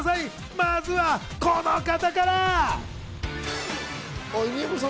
まずはこの方から。